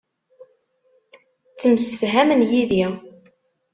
Ttemsefhamen yid-i.